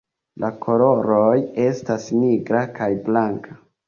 La koloroj estas nigra kaj blanka.